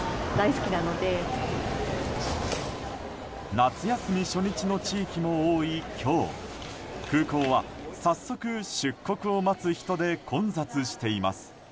夏休み初日の地域も多い今日空港は早速出国を待つ人で混雑しています。